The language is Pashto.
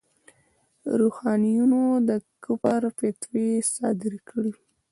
روحانیونو د کفر فتواوې صادرې کړې.